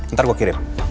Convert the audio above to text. ntar gua kirim